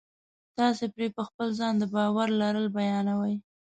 تاسې پرې په خپل ځان د باور لرل بیانوئ